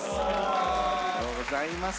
ありがとうございます。